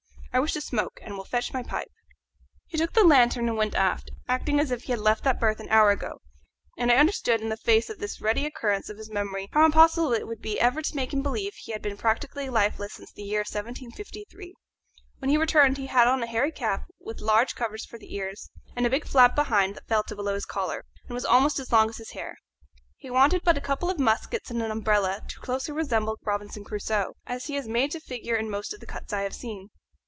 "I wish to smoke, and will fetch my pipe." He took the lanthorn and went aft, acting as if he had left that berth an hour ago, and I understood in the face of this ready recurrence of his memory how impossible it would be ever to make him believe he had been practically lifeless since the year 1753. When he returned he had on a hairy cap, with large covers for the ears, and a big flap behind that fell to below his collar, and was almost as long as his hair. He wanted but a couple of muskets and an umbrella to closely resemble Robinson Crusoe, as he is made to figure in most of the cuts I have seen.